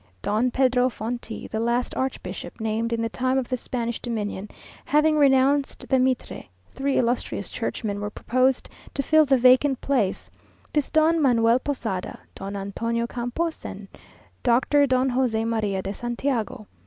Don Pedro Fonti, the last archbishop named in the time of the Spanish dominion, having renounced the mitre, three illustrious churchmen were proposed to fill the vacant place: this Don Manuel Posada, Don Antonio Campos, and Dr. Don José María de Santiago.